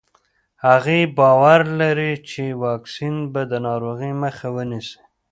هغې باور لري چې واکسین به د ناروغۍ مخه ونیسي.